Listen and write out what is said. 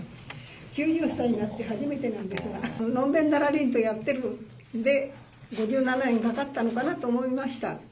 ９０歳になって初めてなんですが、のんべんだらりんとやっているので、５７年かかったのかなと思いました。